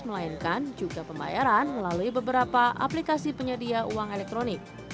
melainkan juga pembayaran melalui beberapa aplikasi penyedia uang elektronik